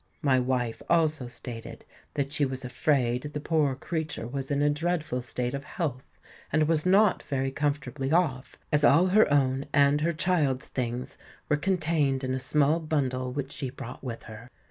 My wife also stated that she was afraid the poor creature was in a dreadful state of health, and was not very comfortably off, as all her own and her child's things were contained in a small bundle which she brought with her.